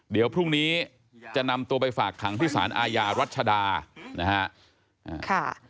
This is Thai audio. เดี๋ยวพรุ่งนี้จะนำตัวไปฝากขังที่สารอาญารัชดานะฮะ